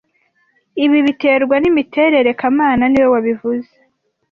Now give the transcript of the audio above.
Ibi biterwa n'imiterere kamana niwe wabivuze